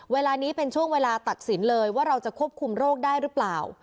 เวลานี้เป็นช่วงเวลาตัดสินเลยว่าเราจะควบคุมโรคได้หรือเปล่า